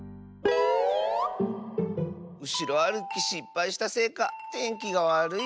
うしろあるきしっぱいしたせいかてんきがわるいね。